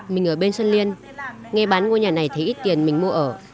mình ở bên sơn liên nghe bán ngôi nhà này thấy ít tiền mình mua ở